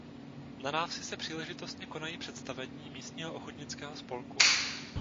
Na návsi se příležitostně konají představení místního ochotnického spolku.